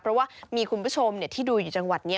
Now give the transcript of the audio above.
เพราะว่ามีคุณผู้ชมที่ดูอยู่จังหวัดนี้